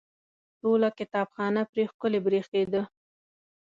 ټوله کتابخانه پرې ښکلې برېښېده.